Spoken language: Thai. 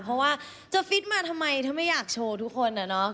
เพราะว่าจะฟิตมาทำไมถ้าไม่อยากโชว์ทุกคนอะเนาะ